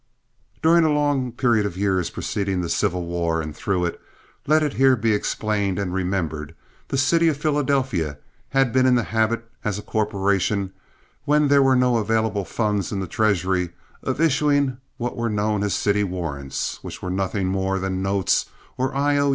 During a long period of years preceding the Civil War, and through it, let it here be explained and remembered, the city of Philadelphia had been in the habit, as a corporation, when there were no available funds in the treasury, of issuing what were known as city warrants, which were nothing more than notes or I.O.